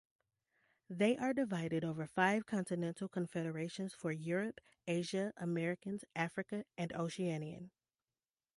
They are divided over five continental confederations for Europe, Asia, Americas, Africa and Oceanian.